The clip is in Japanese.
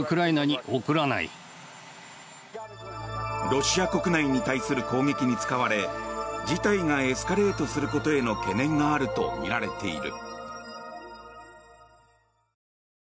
ロシア国内に対する攻撃に使われ事態がエスカレートすることへの懸念があるとみられている。